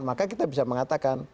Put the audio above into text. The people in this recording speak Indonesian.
maka kita bisa mengatakan